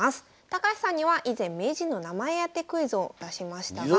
高橋さんには以前名人の名前当てクイズを出しましたが。